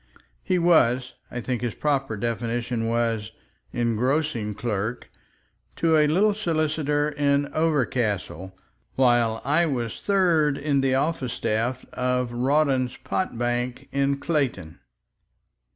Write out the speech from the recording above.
He was—I think his proper definition was "engrossing clerk" to a little solicitor in Overcastle, while I was third in the office staff of Rawdon's pot bank in Clayton.